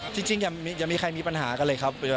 จริงอย่ามีใครมีปัญหากันเลยครับ